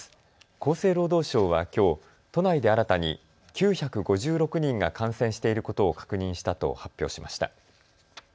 厚生労働省はきょう都内で新たに９５６人が感染していることを確認したと発表しました。